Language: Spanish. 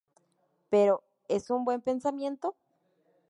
Pero, es un buen pensamiento"".